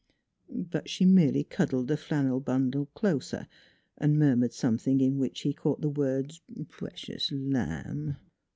But she merely cuddled the flannel bundle closer and murmured something in which he caught the words " p'ecious lamb."